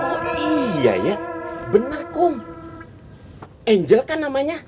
oh iya ya benar kum angel kan namanya